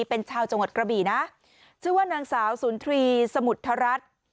เป็นชาวจังหวัดกระบี่นะชื่อว่านางสาวสุนทรีย์สมุทรรัฐ